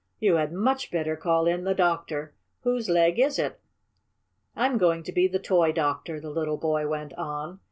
"You had much better call in the doctor. Whose leg is it?" "I'm going to be the toy doctor," the little boy went on.